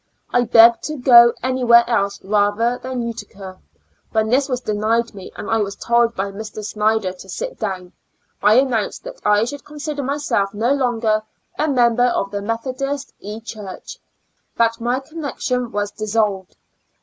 I begged to go any where else rather than to Utica ; when this was denied me, and I was told by Mr. Snyder to sit down, I announced that I should consider myself no longer a member of the Methodist E. Church ; that my con nection was dissolved.